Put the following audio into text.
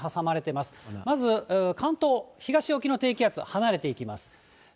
まず関東、東沖の低気圧は離れていきます。